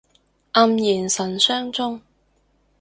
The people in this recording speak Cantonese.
黯然神傷中